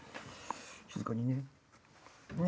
静かにね？